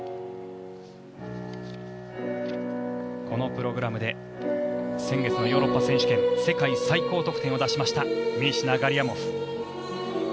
このプログラムで先月のヨーロッパ選手権世界最高得点を出しましたミシナ、ガリアモフ。